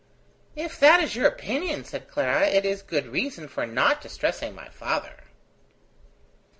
"If that is your opinion," said Clara, "it is good reason for not distressing my father."